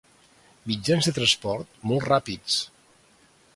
Mitjans de transport molt ràpids.